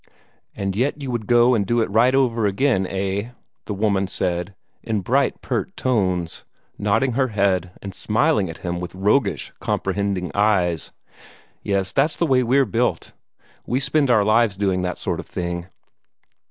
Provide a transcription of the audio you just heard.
"And yet you would go and do it right over again, eh?" the woman said, in bright, pert tones, nodding her head, and smiling at him with roguish, comprehending eyes. "Yes, that's the way we're built. We spend our lives doing that sort of thing."